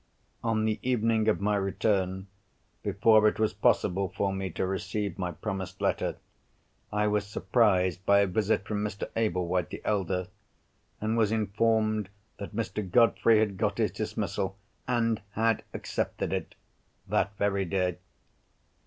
On the evening of my return, before it was possible for me to receive my promised letter, I was surprised by a visit from Mr. Ablewhite the elder, and was informed that Mr. Godfrey had got his dismissal—and had accepted it—that very day.